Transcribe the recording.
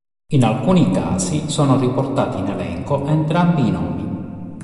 In alcuni casi sono riportati in elenco entrambi i nomi.